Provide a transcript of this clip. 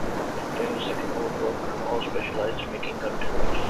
During the Second World War, Parnall specialised in making gun turrets.